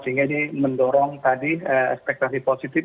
sehingga ini mendorong tadi ekspektasi positif